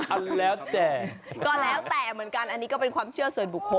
อันแล้วแต่ก็แล้วแต่เหมือนกันอันนี้ก็เป็นความเชื่อส่วนบุคคล